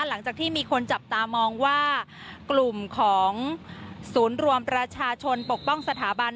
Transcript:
หลังจากที่มีคนจับตามองว่ากลุ่มของศูนย์รวมประชาชนปกป้องสถาบัน